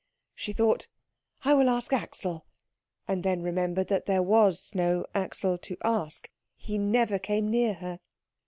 She thought, "I will ask Axel" and then remembered that there was no Axel to ask. He never came near her.